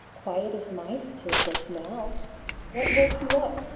Quiet as mice till just now. What woke you up?